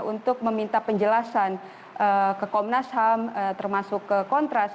untuk meminta penjelasan ke komnas ham termasuk ke kontras